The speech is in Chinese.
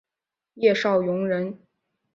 叶绍颙人。